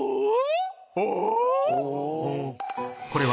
お！